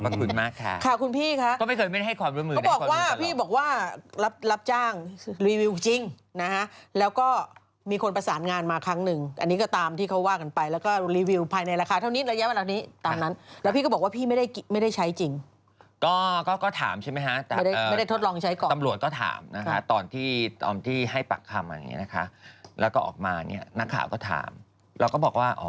บ๊วยเติมบ๊วยเติมบ๊วยเติมบ๊วยเติมบ๊วยเติมบ๊วยเติมบ๊วยเติมบ๊วยเติมบ๊วยเติมบ๊วยเติมบ๊วยเติมบ๊วยเติมบ๊วยเติมบ๊วยเติมบ๊วยเติมบ๊วยเติมบ๊วยเติมบ๊วยเติมบ๊วยเต